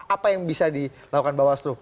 apa yang bisa dilakukan bawaslu